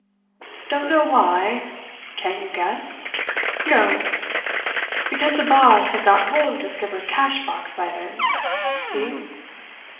"Don't know why? Can't you guess? No? Because the boss had got hold of the skipper's cash box by then. See?"